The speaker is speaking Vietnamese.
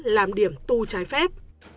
làm điểm tu trái phép